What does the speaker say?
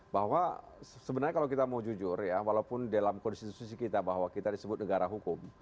bahwa sebenarnya kalau kita mau jujur ya walaupun dalam konstitusi kita bahwa kita disebut negara hukum